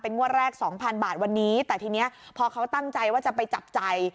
งวดแรกสองพันบาทวันนี้แต่ทีนี้พอเขาตั้งใจว่าจะไปจับใจ